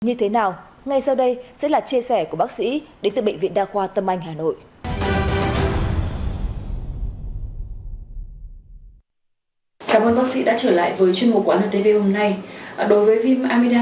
như thế nào ngay sau đây sẽ là chia sẻ của bác sĩ đến từ bệnh viện đa khoa tâm anh hà nội